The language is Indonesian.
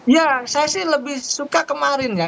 ya saya sih lebih suka kemarin ya